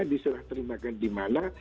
diserah terimakan di mana